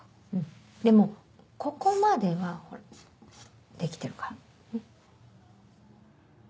でもここまではできてるから。